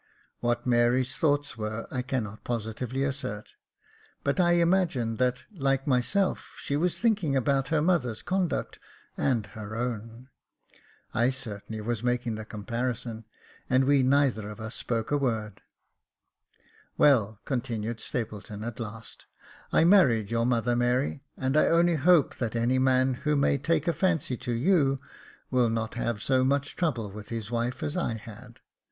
What Mary's thoughts were I cannot positively assert ; but I imagined that, like myself, she was thinking about her mother's conduct and her own. I certainly was making the comparison, and we neither of us spoke a word. "Well," continued Stapleton, at last, "I married your mother, Mary, and I only hope that any man who may take a fancy to you, will not have so much trouble with his wife as I had.